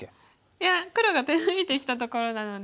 いや黒が手抜いてきたところなので。